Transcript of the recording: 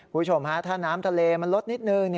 คุณผู้ชมฮะถ้าน้ำทะเลมันลดนิดนึง